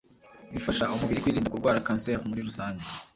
bifasha umubiri kwirinda kurwara cancer muri rusange.